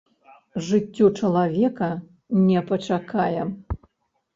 Жыццё чалавека не пачакае.